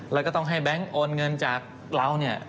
แล้วก็ต้องให้แบงค์โอนเงินจากเราเนี่ย